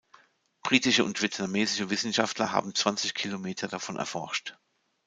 Britische und vietnamesische Wissenschaftler haben zwanzig Kilometer davon erforscht.